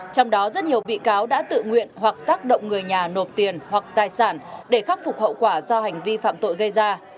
trong đó rất nhiều bị cáo đã tự nguyện hoặc tác động người nhà nộp tiền hoặc tài sản để khắc phục hậu quả do hành vi phạm tội gây ra